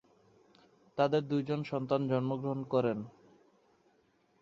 তাদের দুইজন সন্তান জন্মগ্রহণ করেন।